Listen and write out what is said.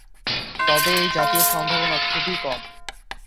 তবে এই জাতীয় সম্ভাবনা খুবই কম।